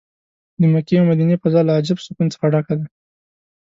د مکې او مدینې فضا له عجب سکون څه ډکه ده.